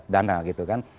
dana gitu kan